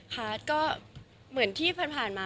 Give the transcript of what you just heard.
ค่ะก็เหมือนที่ผ่านมา